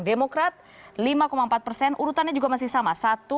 demokrat lima empat persen urutannya juga masih sama